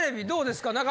どうですか？